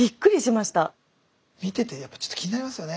見ててやっぱちょっと気になりますよね。